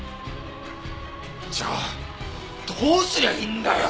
じゃあどうすりゃいいんだよ！？